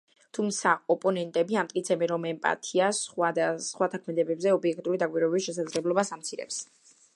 თუმცა, ოპონენტები ამტკიცებენ, რომ ემპათია სხვათა ქმედებებზე ობიექტური დაკვირვების შესაძლებლობას ამცირებს.